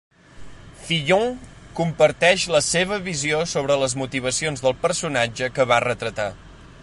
Fillion comparteix la seva visió sobre les motivacions del personatge que va retratar.